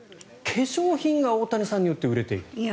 化粧品が大谷さんによって売れていると。